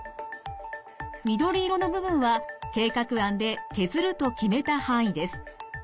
緑色の部分は計画案で削ると決めた範囲です。